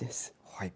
はい。